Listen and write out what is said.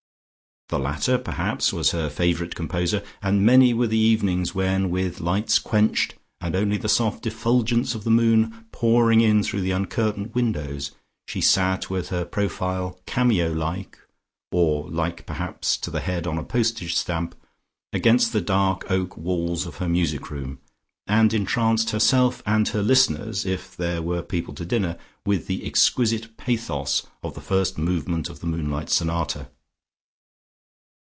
The latter perhaps was her favorite composer, and many were the evenings when with lights quenched and only the soft effulgence of the moon pouring in through the uncurtained windows, she sat with her profile, cameo like (or like perhaps to the head on a postage stamp) against the dark oak walls of her music room, and entranced herself and her listeners, if there were people to dinner, with the exquisite pathos of the first movement of the Moonlight Sonata.